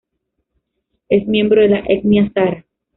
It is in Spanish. Es miembro de la etnia sara.